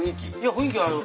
雰囲気ある。